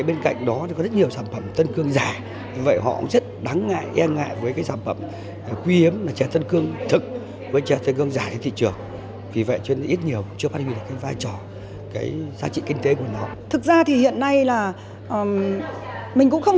bên cạnh đó các đại biểu cho rằng cần tăng cường bảo đảm quyền sử dụng hợp pháp thương hiệu chè tân cương cho các tổ chức cá nhân sản xuất kinh doanh chè tân cương